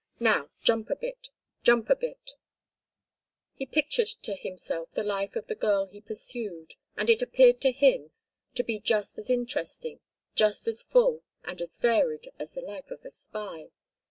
Now jump a bit, jump a bit!" He pictured to himself the life of the girl he pursued, and it appeared to him to be just as interesting, just as full and as varied as the life of a spy.